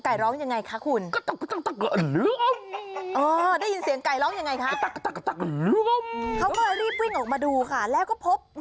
ไก่ร้องยังไงคะคุณเออได้ยินเสียงไก่ร้องยังไงคะเขาก็รีบวิ่งออกมาดูค่ะแล้วก็พบ